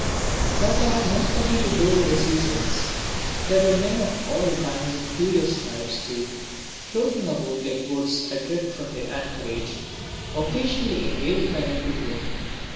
But I had not only to do with the seasons. There were men of all kinds of curious types who, floating about like boats adrift from their anchorage, occasionally invaded my little room.